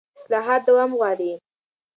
اصلاحات دوام غواړي